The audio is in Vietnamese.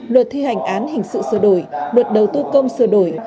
luật thi hành án hình sự sửa đổi luật đầu tư công sửa đổi